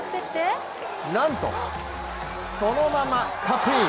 なんと、そのままカップイン。